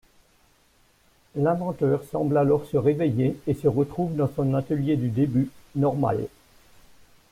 L'inventeur semble alors se réveiller et se retrouve dans son atelier du début, normal.